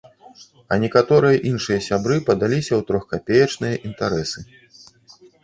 А некаторыя іншыя сябры падаліся ў трохкапеечныя інтарэсы.